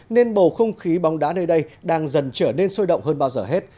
nên bầu không khí bóng đá nơi đây đang dần trở nên sôi động hơn bao giờ hết